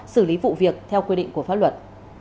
xử lý vụ việc theo quy định của pháp luật